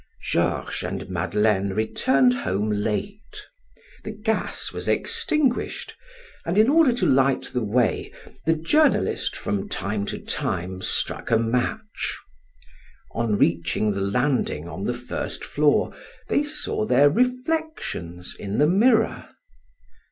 Georges and Madeleine returned home late. The gas was extinguished, and in order to light the way the journalist from time to time struck a match. On reaching the landing on the first floor they saw their reflections in the mirror.